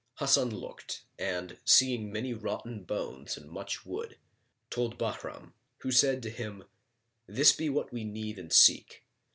Hasan looked and seeing many rotten bones and much wood, told Bahram, who said to him, "This be what we need and seek.